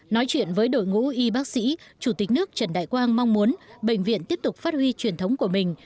nói chuyện với đội ngũ y bác sĩ chủ tịch nước trần đại quang mong muốn bệnh viện tiếp tục phát huy truyền thống của mình